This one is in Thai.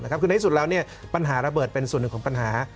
คือในที่สุดแล้วปัญหาระเบิดเป็นส่วนหนึ่งของปัญหา